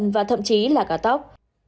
và thậm chí là cả tóc